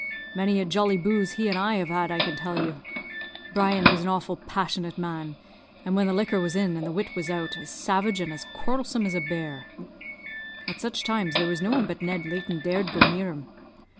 Many a jolly booze he and I have had, I can tell you. Brian was an awful passionate man, and, when the liquor was in, and the wit was out, as savage and as quarrelsome as a bear. At such times there was no one but Ned Layton dared go near him.